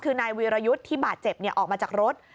คือนายวีรยุทธ์ที่บาดเจ็บออกมาจากรถ